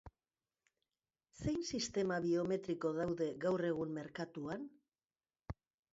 Zein sistema biometriko daude gaur egun merkatuan?